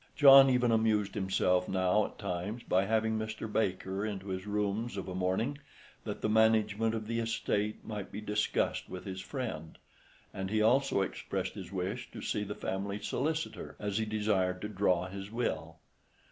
John even amused himself now at times by having Mr. Baker into his rooms of a morning, that the management of the estate might be discussed with his friend; and he also expressed his wish to see the family solicitor, as he desired to draw his will.